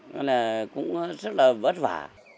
nó là cũng rất là vất vả